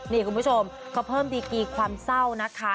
นี่คุณผู้ชมเขาเพิ่มดีกีความเศร้านะคะ